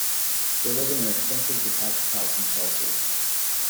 They live in an expensive detached house in Chelsea.